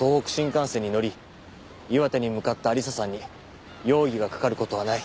岩手に向かった亜理紗さんに容疑がかかる事はない。